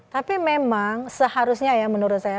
tapi memang seharusnya ya menurut saya